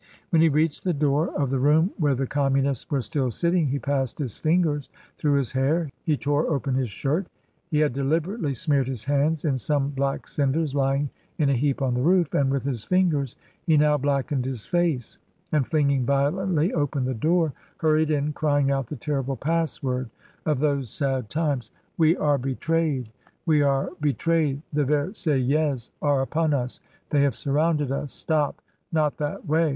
When he reached the door of CARON. 281 the room where the Communists were still sitting, he passed his fingers through his hair; he tore open his shirt; he had deliberately smeared his hands in some black cinders lying in a heap on the roof, and with his fingers he now blackened his face, and flinging violently open the door, hurried in, crying out the terrible password of those sad times, "We are betrayed! We are betrayed! The Versaillais are upon us; they have surrounded us. Stop! not that way!